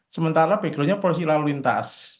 sementara background nya polisi lalu lintas